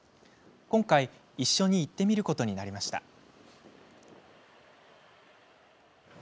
今回、一緒に行ってみることになりました。